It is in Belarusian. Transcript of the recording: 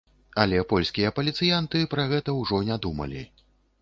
Але польскія паліцыянты пра гэта ўжо не думалі.